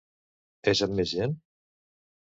És amb més gent?